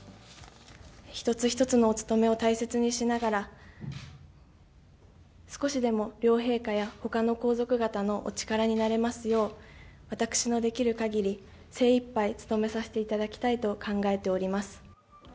一つ一つのお務めを大切にしながら少しでも両陛下や他の皇族方のお力になれますよう、私のできる限り精いっぱい務めさせていただきたいと考えております。